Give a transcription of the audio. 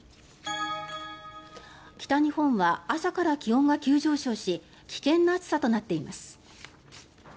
北日本は、朝から気温が急上昇し危険な暑さとなっています。